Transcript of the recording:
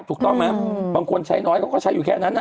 ร้อนไงเปิดแอร์